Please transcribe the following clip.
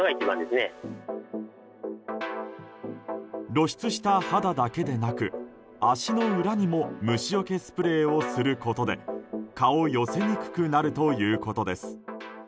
露出した肌だけでなく足の裏にも虫よけスプレーをすることで蚊を寄せにくくなるということです。